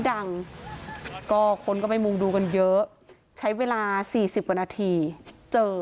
พ่อแม่มาเห็นสภาพศพของลูกร้องไห้กันครับขาดใจ